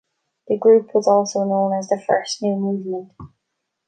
The group was also known as the First New Movement.